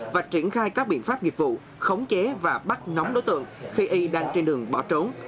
và triển khai các biện pháp nghiệp vụ khống chế và bắt nóng đối tượng khi y đang trên đường bỏ trốn